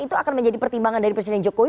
itu akan menjadi pertimbangan dari presiden jokowi